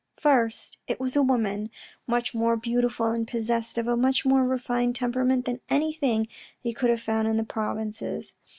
First it was a woman, much more beautiful and possessed of a much more refined temperament than anything he could have found in the provinces.